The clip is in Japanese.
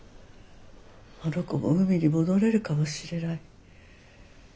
あの子も海に戻れるかもしれない。